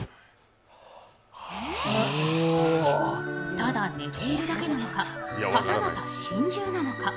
ただ寝ているだけなのか、はたまた心中なのか。